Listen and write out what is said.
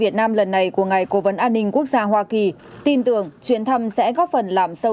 việt nam lần này của ngài cố vấn an ninh quốc gia hoa kỳ tin tưởng chuyến thăm sẽ góp phần làm sâu